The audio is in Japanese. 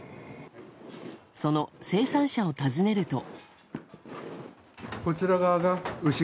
その生産者を訪ねると。